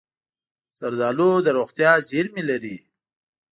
زردالو د روغتیا زېرمې لري.